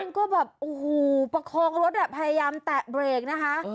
ก็แบบโอ้โหประคองรถพยายามแตะเบรกนะคะ